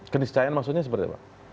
keniscayaan maksudnya seperti apa